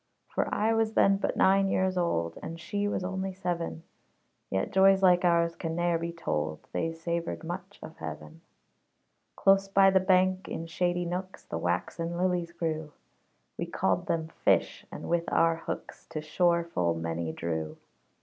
For I was then but nine years old, And she was only seven; Yet joys like ours can ne'er be told They savored much of heaven. Close by the bank, in shady nooks, The waxen lilies grew; We called them fish, and with our hooks To shore full many drew.